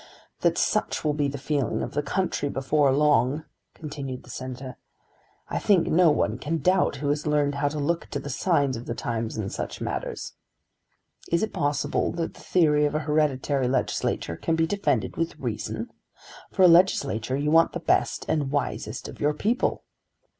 "That such will be the feeling of the country before long," continued the Senator, "I think no one can doubt who has learned how to look to the signs of the times in such matters. Is it possible that the theory of an hereditary legislature can be defended with reason? For a legislature you want the best and wisest of your people."